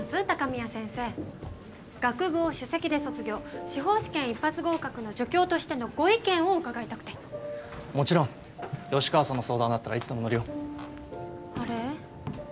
鷹宮先生学部を首席で卒業司法試験一発合格の助教としてのご意見を伺いたくてもちろん吉川さんの相談だったらいつでも乗るよあれ？